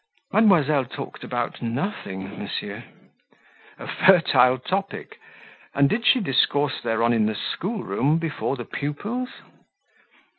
"Mademoiselle talked about nothing, monsieur." "A fertile topic! and did she discourse thereon in the schoolroom, before the pupils?"